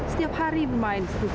setiap hari bermain setiap hari